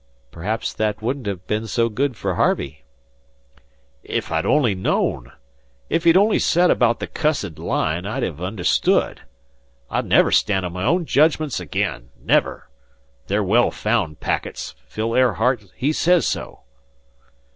"Perhaps that wouldn't have been so good for Harvey." "If I'd only known! If he'd only said about the cussed Line, I'd ha' understood! I'll never stand on my own jedgments again never. They're well found packets. Phil Airheart he says so."